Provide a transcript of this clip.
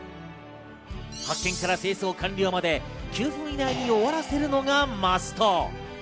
発見から清掃完了まで９分以内に終わらせるのがマスト。